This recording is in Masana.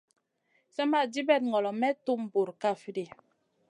Slèmma dibèt ŋolo may tum bura kaf ɗi.